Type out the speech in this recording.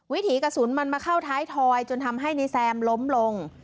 วิถีกระสุนมันมาเข้าท้ายทอยจนทำให้ในแซมล้มลง